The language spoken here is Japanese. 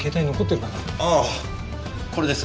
ああこれです。